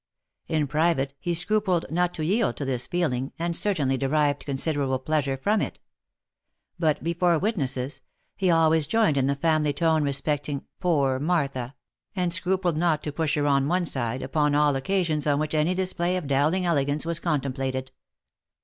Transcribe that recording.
In private he scrupled not to yield to this feeling, and certainly derived ' considerable pleasure from it; but before witnesses, he always joined in the family tone respecting " poor Martha" and scrupled not to push her on one side, upon all occasions on which any display of Dowling elegance was contemplated.